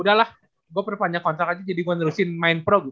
udah lah gue perpanjang kontrak aja jadi gue nerusin main pro gitu